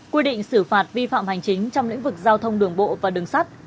quy định xử phạt vi phạm hành chính trong lĩnh vực giao thông đường bộ và đường sắt